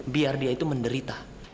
biar dia itu menderita